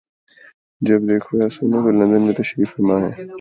جب دیکھو یا سنو تو لندن میں تشریف فرما ہیں۔